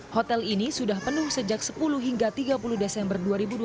hotel ini sudah penuh sejak sepuluh hingga tiga puluh desember dua ribu dua puluh